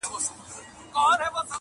يو ديدن يې دئ وروستى ارمان راپاته٫